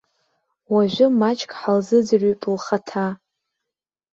Уажәы маҷк ҳалзыӡырҩып лхаҭа.